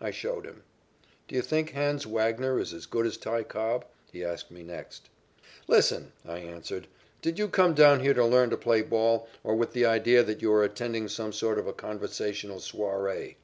I showed him. "Do you think Hans Wagner is as good as Ty Cobb?" he asked me next. "Listen!" I answered. "Did you come down here to learn to play ball or with the idea that you are attending some sort of a conversational soiree?"